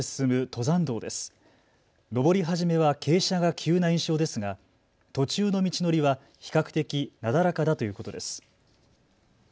登り始めは傾斜が急な印象ですが途中の道のりは比較的なだらかだということです。